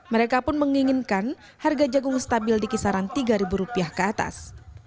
mereka pun menginginkan harga jagung stabil di kisaran tiga ribu rupiah ke atas